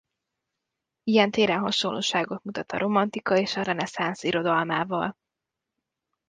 Ilyen téren hasonlóságot mutat a romantika és a reneszánsz irodalmával.